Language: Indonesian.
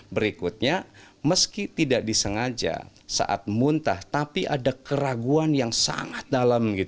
berikutnya meski tidak disengaja saat muntah tapi ada keraguan yang sangat dalam